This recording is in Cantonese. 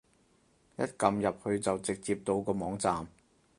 一撳入去就直接到個網站